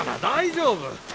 大丈夫。